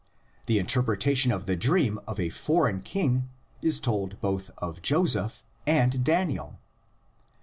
the interpretation of the dream of the foreign king is told of both Joseph and Daniel.